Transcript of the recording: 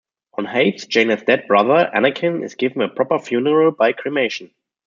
On Hapes, Jaina's dead brother, Anakin, is given a proper funeral by cremation.